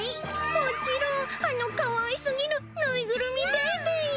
もっちろんあのかわいすぎるぬいぐるみベイベーよ。